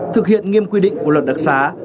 thực hiện nghiêm quy định của luật đặc sá